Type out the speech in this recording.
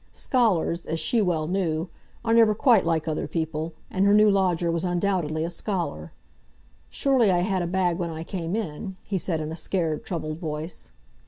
Scholars, as she well knew, are never quite like other people, and her new lodger was undoubtedly a scholar. "Surely I had a bag when I came in?" he said in a scared, troubled voice.